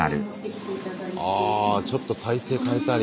ああちょっと体勢変えたり。